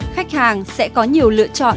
khách hàng sẽ có nhiều lựa chọn